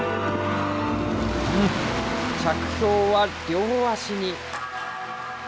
着氷は両足に。